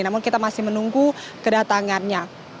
namun kita masih menunggu kedatangannya